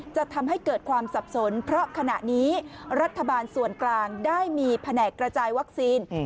จะทำให้เกิดความสับสนเพราะขณะนี้รัฐบาลส่วนกลางได้มีแผนกกระจายวัคซีน